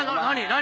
何？